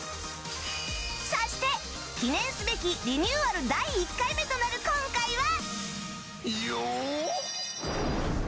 そして、記念すべきリニューアル第１回目となる今回は。